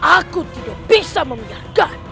aku tidak bisa membiarkannya